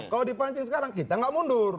kalau dipancing sekarang kita nggak mundur